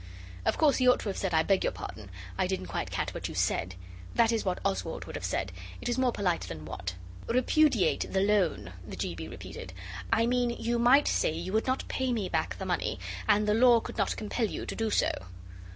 Of course he ought to have said 'I beg your pardon. I didn't quite catch what you said' that is what Oswald would have said. It is more polite than 'What.' 'Repudiate the loan,' the G. B repeated. 'I mean you might say you would not pay me back the money, and the law could not compel you to do so.